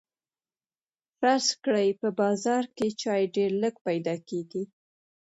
فرض کړئ په بازار کې چای ډیر لږ پیدا کیږي.